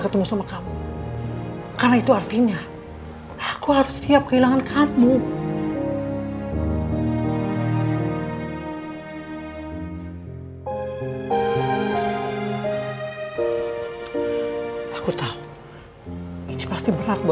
ketemu sama kamu karena itu artinya aku harus siap kehilangan kamu aku tahu itu pasti berat buat